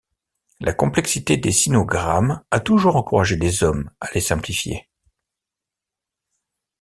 La complexité des sinogrammes a toujours encouragé les hommes à les simplifier.